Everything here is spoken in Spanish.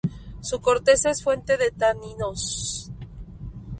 Su corteza es fuente de taninos.